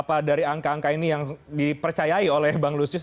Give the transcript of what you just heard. apa dari angka angka ini yang dipercayai oleh bang lusius